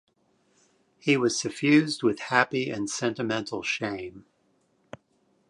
He was suffused with happy and sentimental shame.